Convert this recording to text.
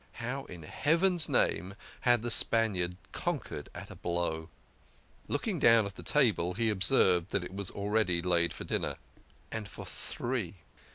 How in Heaven's name had the Spaniard conquered at a blow ! Looking down at the table, he now observed that it was already laid for dinner and for three